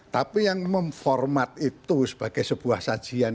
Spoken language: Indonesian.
tapi yang memformat itu sebagai sebuah sajian